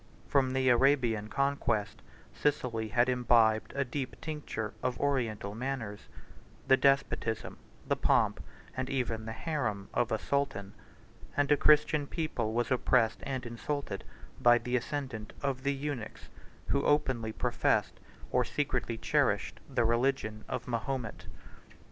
From the Arabian conquest, Sicily had imbibed a deep tincture of Oriental manners; the despotism, the pomp, and even the harem, of a sultan; and a Christian people was oppressed and insulted by the ascendant of the eunuchs, who openly professed, or secretly cherished, the religion of Mahomet.